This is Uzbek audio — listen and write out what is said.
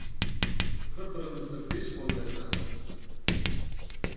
Bir-birimizni besh qo‘lday bilamiz!